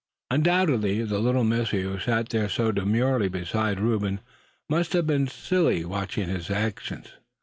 Undoubtedly the little missy who sat there so demurely beside Reuben must have been slily watching his actions.